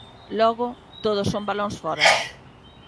Logo todo son balóns fóra.